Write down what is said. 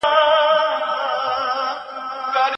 هر ګټور کار د خلکو په ګټه وي.